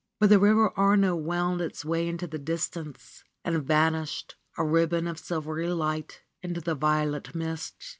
But the River Arno wound its way into the distance and vanished, a ribbon of silvery light, into the violet mists.